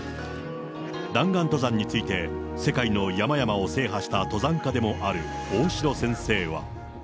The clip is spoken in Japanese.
弾丸登山について、世界の山々を制覇した登山家でもある大城先生は。